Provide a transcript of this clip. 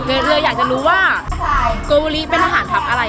เรือเรืออยากจะรู้ว่า